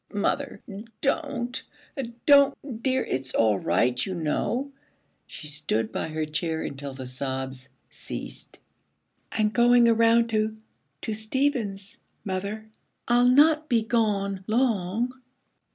'Mother, don't don't, dear, it's all right, you know.' She stood by her chair until the sobs ceased. 'I'm going around to to Stephen's, mother. I'll not be gone long.'